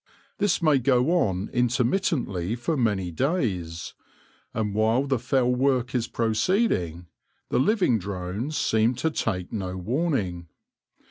This may go on intermittently for many days, and while the fell work is proceeding the living droixes seem to take no warning.